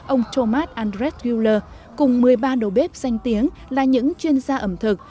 ông thomas andres guller cùng một mươi ba đầu bếp danh tiếng là những chuyên gia ẩm thực